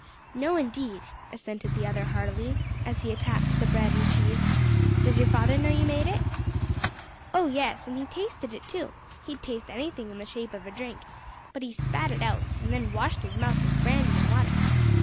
"No, indeed," assented the other heartily, as he attacked the bread and cheese. "Does your father know you made it?" "Oh yes, and he tasted it too he'd taste anything in the shape of drink but he spat it out, and then washed his mouth with brandy an' water.